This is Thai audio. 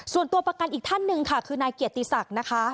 ประกันอีกท่านหนึ่งค่ะคือนายเกียรติศักดิ์นะคะ